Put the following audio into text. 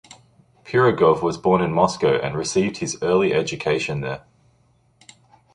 Pirogov was born in Moscow and received his early education there.